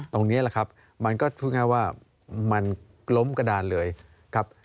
ตรงนี้แหละครับมันก็พูดง่ายว่ามันล้มกระดานเลยครับ